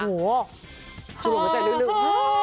โอ้โหชุดลงใจนิดนึง